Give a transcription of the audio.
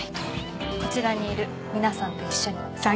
こちらにいる皆さんと一緒に。